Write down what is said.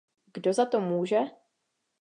Kdo za to může?